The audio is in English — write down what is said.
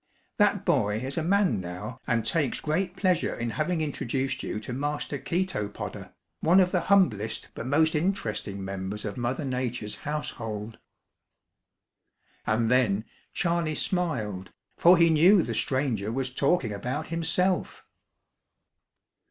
That boy is a man now and takes great pleasure in having introduced you to Master Chætopoda, one of the humblest but most interesting members of Mother Nature's household." And then Charley smiled, for he knew the stranger was talking about himself.